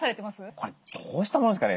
これどうしたものですかね。